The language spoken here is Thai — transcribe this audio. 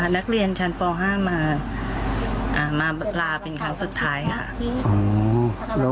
นักเรียนชั้นป๕มาลาเป็นครั้งสุดท้ายค่ะ